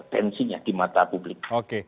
tensinya di mata publik